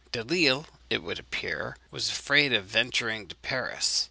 Delisle, it would appear, was afraid of venturing to Paris.